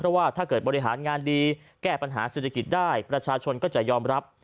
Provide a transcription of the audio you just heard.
เพราะว่าถ้าเกิดบริหารงานดีแก้ปัญหาเศรษฐกิจได้ประชาชนก็จะยอมรับ